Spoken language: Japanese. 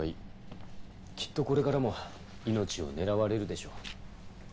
きっとこれからも命を狙われるでしょう。